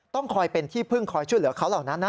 ต้องคอยเป็นที่พึ่งคอยช่วยเหลือเขาเหล่านั้นนะ